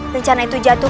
rencana itu jatuh